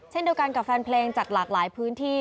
เช่นเดียวกันกับแฟนเพลงจากหลากหลายพื้นที่